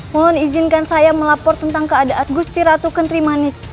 mohon izinkan saya melapor tentang keadaan gusti ratu kentrimanik